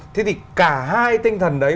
thế thì cả hai tinh thần đấy